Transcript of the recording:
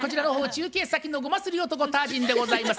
中継先のゴマすり男タージンでございます。